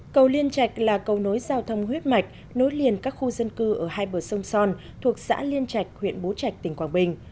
cầu liên trạch là cầu nối giao thông huyết mạch nối liền các khu dân cư ở hai bờ sông son thuộc xã liên trạch huyện bố trạch tỉnh quảng bình